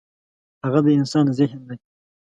هغه د انسان ذهن دی.